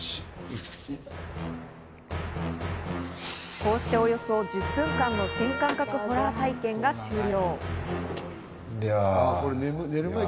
こうして、およそ１０分間の新感覚ホラー体験が終了。